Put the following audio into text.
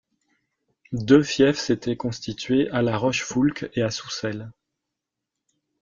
Deux fiefs s’étaient constitués à la Roche-Foulques et à Soucelles.